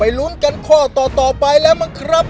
แล้ววันนี้ผมมีสิ่งหนึ่งนะครับเป็นตัวแทนกำลังใจจากผมเล็กน้อยครับ